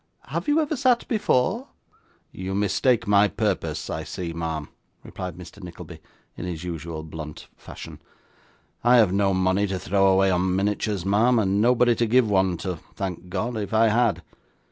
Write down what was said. Have you ever sat before?' 'You mistake my purpose, I see, ma'am,' replied Mr. Nickleby, in his usual blunt fashion. 'I have no money to throw away on miniatures, ma'am, and nobody to give one to (thank God) if I had.